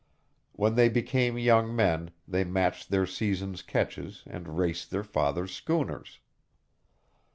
When they became young men they matched their season's catches and raced their father's schooners.